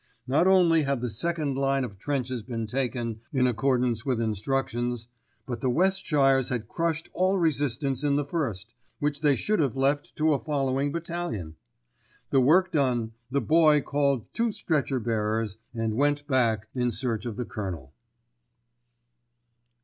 Not only had the second line of trenches been taken in accordance with instructions, but the Westshires had crushed all resistance in the first, which they should have left to a following battalion. The work done, the Boy called two stretcher bearers, and went back in search of the Colonel.